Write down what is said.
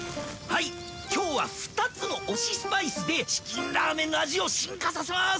はいっ今日は二つの推しスパイスで『チキンラーメン』の味を進化させます